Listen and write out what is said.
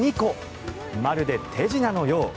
まるで手品のよう。